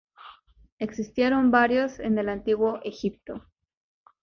Existieron varios en el Antiguo Egipto.